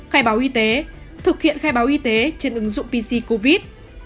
khai báo y tế thực hiện khai báo y tế trên ứng dụng pc covid